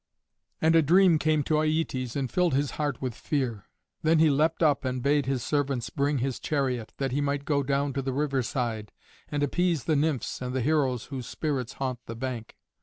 And a dream came to Aietes and filled his heart with fear. Then he leapt up and bade his servants bring his chariot, that he might go down to the river side, and appease the nymphs and the heroes whose spirits haunt the bank.